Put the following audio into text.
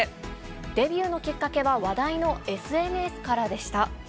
デビューのきっかけは話題のＳＮＳからでした。